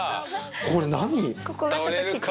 これ何？